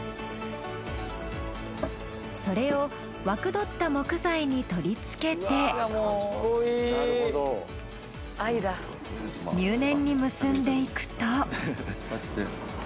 それを枠取った木材に取り付けて入念に結んでいくと。